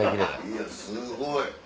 いやすごい。